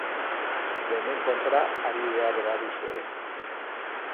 Denen kontra ari behar baduzu ere.